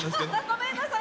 ごめんなさい。